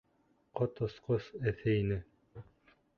Ҡот осҡос эҫе ине.